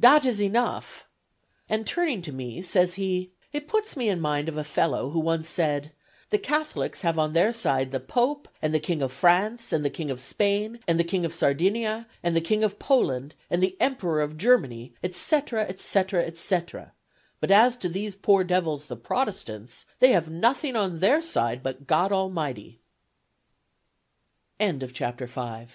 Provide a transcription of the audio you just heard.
Dat is enough!' And turning to me says he, 'It puts me in mind of a fellow who once said, "The Catholics have on their side the Pope, and the King of France, and the King of Spain, and the King of Sardinia, and the King of Poland, and the Emperor of Germany, etc., etc., etc.: but as to these poor devils the Protestants, they have nothing on their side but God Almighty."'" FOOTNOTES: I.e., their house in Boston.